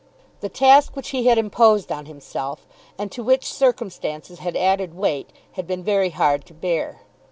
The task which he had imposed on himself, and to which circumstances had added weight, had been very hard to bear.